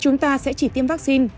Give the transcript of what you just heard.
chúng ta sẽ chỉ tiêm vaccine